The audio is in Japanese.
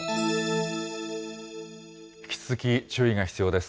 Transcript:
引き続き注意が必要です。